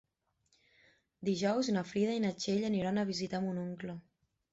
Dijous na Frida i na Txell aniran a visitar mon oncle.